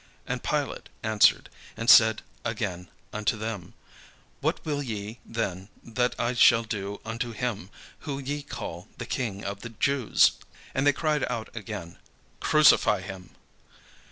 And Pilate answered and said again unto them: "What will ye then that I shall do unto him who ye call the King of the Jews?" And they cried out again, "Crucify him."